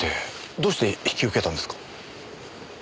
どうして引き受けたんですか？